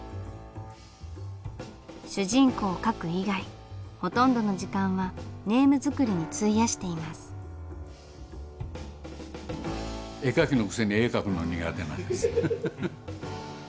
主人公を描く以外ほとんどの時間はネーム作りに費やしています。